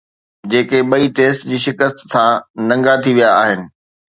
جيڪي ٻئي ٽيسٽ جي شڪست سان ننگا ٿي ويا آهن